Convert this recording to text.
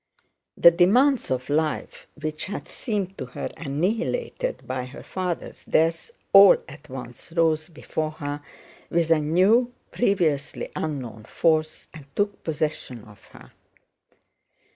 The demands of life, which had seemed to her annihilated by her father's death, all at once rose before her with a new, previously unknown force and took possession of her.